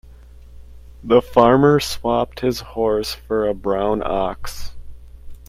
The farmer swapped his horse for a brown ox.